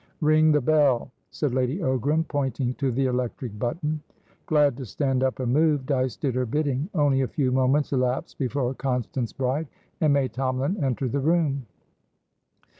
"Ring the bell," said Lady Ogram, pointing to the electric button. Glad to stand up and move, Dyce did her bidding. Only a few moments elapsed before Constance Bride and May Tomalin entered the room.